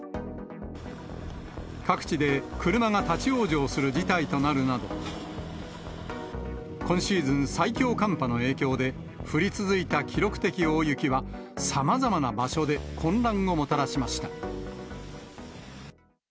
各地で車が立往生する事態となるなど、今シーズン最強寒波の影響で、降り続いた記録的大雪は、さまざまな場所で混乱をもたらしました。